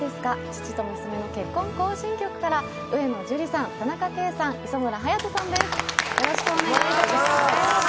父と娘の結婚行進曲」から、上野樹里さん、田中圭さん、磯村勇斗さんです。